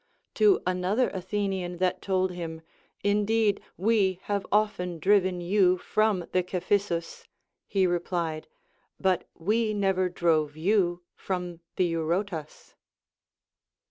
To another Athenian that told him. Indeed, we have often driven you from the Cephissus, he replied. But we neΛ'er drove you from the Eurotas.